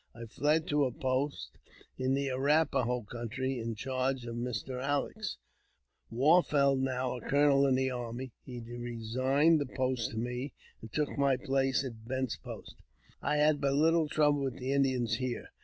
I fled to a post in the Arrap a ho country, in charge of Mr. Alex. Wharfield, now a colonel in the army ; I JAMES P. BECKWOUBTH. 375 lie resigned the post to me, and took my place at Bent's post. I had but little trouble with the Indians here.